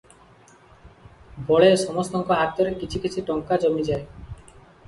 ବଳେ ସମସ୍ତଙ୍କ ହାତରେ କିଛି କିଛି ଟଙ୍କା ଜମିଯାଏ ।